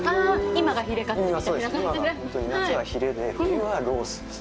今が本当に夏はヒレで、冬はロースです。